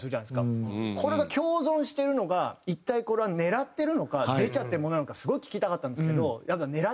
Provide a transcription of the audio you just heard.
これが共存してるのが一体これは狙ってるのか出ちゃってるものなのかすごい聞きたかったんですけど。